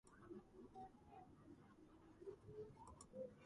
მდებარეობს მდინარე პატარა ლიახვის ხეობაში, ზონკარის წყალსაცავის ნაპირზე.